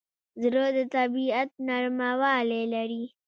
زړه د طبیعت نرموالی لري.